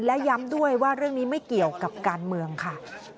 และย้ำด้วยว่าเรื่องนี้ไม่เกี่ยวกับการเมืองค่ะ